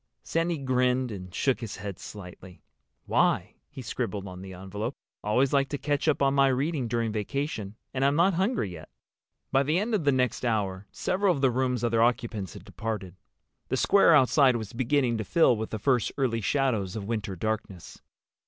Sandy grinned and shook his head slightly. "Why?" he scribbled on the envelope. "Always like to catch up on my reading during vacation. And I'm not hungry yet." By the end of the next hour several of the room's other occupants had departed. The square outside was beginning to fill with the first early shadows of winter darkness.